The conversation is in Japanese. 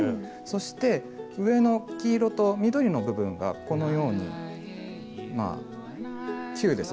そして上の黄色と緑の部分がこのようにまあ球ですよね